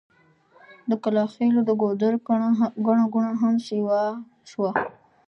د کلاخېلو د ګودر ګڼه ګوڼه هم سيوا شوه.